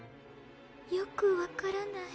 よく分からない。